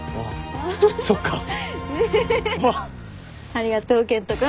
ありがとう健人君。